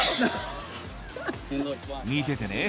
見ててね